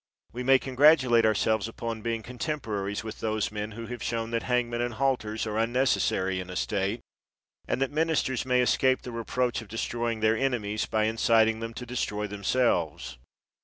We may congratulate our selves upon being contemporaries with those men who have shown that hangmen and halters are unnecessary in a state and that ministers may escape the reproach of destroying their enemies by inciting them to destroy themselves.